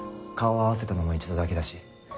顔を合わせたのも一度だけだし。